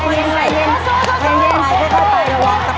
เรียนเรียนเรียนเรียนสู้